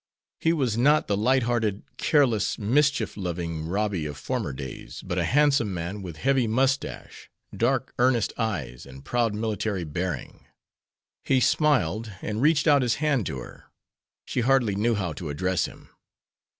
He was not the light hearted, careless, mischief loving Robby of former days, but a handsome man, with heavy moustache, dark, earnest eyes, and proud military bearing. He smiled, and reached out his hand to her. She hardly knew how to address him.